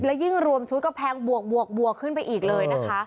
และยิ่งรวมชุดก็แพงบวกขึ้นไปอีกเลยนะคะ